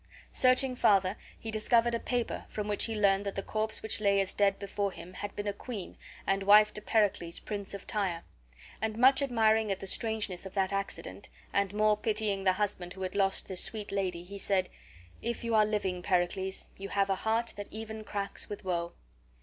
Searching farther, he discovered a paper, from which he learned that the corpse which lay as dead before him had been a queen, and wife to Pericles, Prince of Tyre; and much admiring at the strangeness of that accident, and more pitying the husband who had lost this sweet lady, he said: "If you are living, Pericles, you have a heart that even cracks with woe."